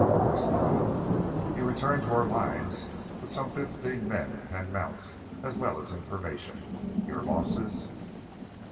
Forrest nodded. "You returned to our lines with some fifteen men and ten mounts, as well as information. Your losses?"